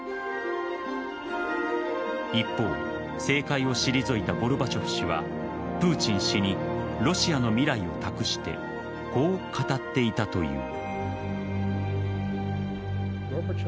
一方政界を退いたゴルバチョフ氏はプーチン氏にロシアの未来を託してこう語っていたという。